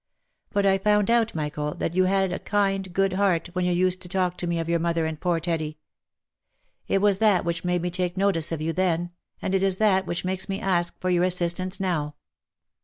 But I found out, Michael, that you had a kind, good heart, when you used to talk to me of your mother and poor Teddy. It was that which made me take notice of you then, and it is that which makes me ask for your assistance now."